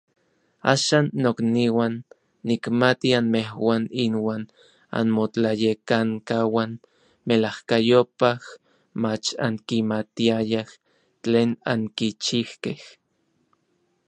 Axan, nokniuan, nikmati anmejuan inuan anmotlayekankauan melajkayopaj mach ankimatiayaj tlen ankichijkej.